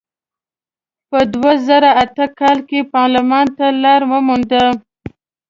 په دوه زره اته کال کې پارلمان ته لار ومونده.